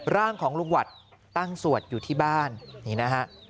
ร่างของลุงหวัดตั้งสวดอยู่ที่บ้านนี่นะฮะ